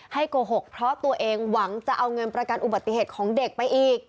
โกหกเพราะตัวเองหวังจะเอาเงินประกันอุบัติเหตุของเด็กไปอีก